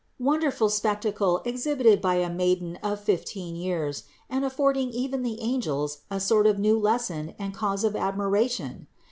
Wonderful spectacle exhibited by a Maiden of fifteen years, and affording even the angels a sort of new lesson and cause of admiration!